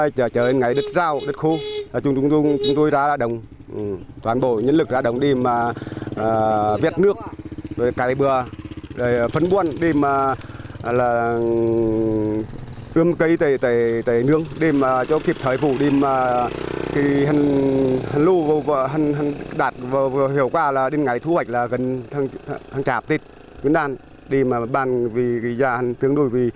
chả biết vẫn đang đi mà bàn vì dạng tương đối với số thị trường cạnh tranh thị trường